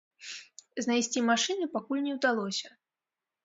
Знайсці машыны пакуль не ўдалося.